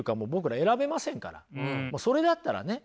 それだったらね